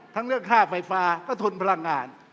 เรื่องค่าไฟฟ้าก็ทุนพลังงาน